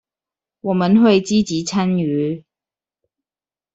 我們會積極參與